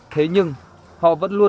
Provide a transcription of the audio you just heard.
thế nhưng họ vẫn luôn